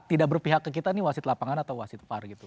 tidak berpihak ke kita ini wasit lapangan atau wasit par gitu